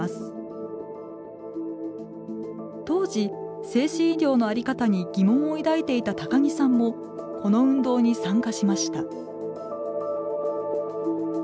当時精神医療の在り方に疑問を抱いていた高木さんもこの運動に参加しました。